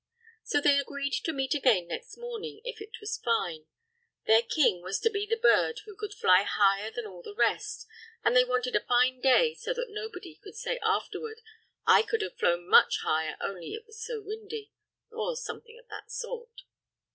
So they agreed to meet again next morning, if it was fine. Their king was to be the bird who could fly higher than all the rest, and they wanted a fine day so that nobody could say afterward, "I could have flown much higher, only it was so windy," or something of the sort.